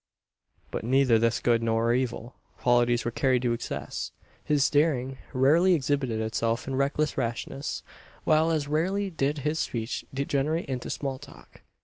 But neither his good, nor evil, qualities were carried to excess. His daring rarely exhibited itself in reckless rashness; while as rarely did his speech degenerate into "small talk."